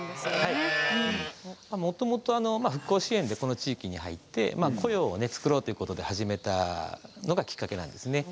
もともと復興支援でこの地域に入って雇用を作ろうと思って始めたのがきっかけなんですね。